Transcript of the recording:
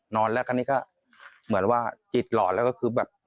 นอนแล้วคราวนี้ก็เหมือนว่าจิตหลอดแล้วก็คือแบบ